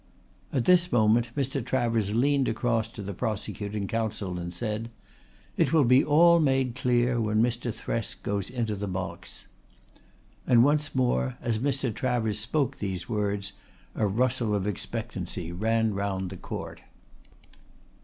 At this moment Mr. Travers leaned across to the prosecuting counsel and said: "It will all be made clear when Mr. Thresk goes into the box." And once more, as Mr. Travers spoke these words, a rustle of expectancy ran round the court.